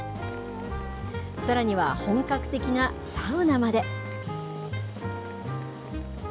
さらには本格的なサウナまで。